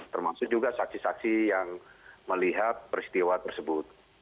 termasuk juga saksi saksi yang melihat peristiwa tersebut